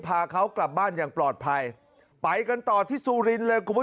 พาเขากลับบ้านอย่างปลอดภัยไปกันต่อที่สุรินทร์เลยคุณผู้ชม